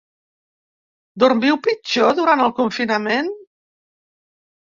Dormiu pitjor durant el confinament?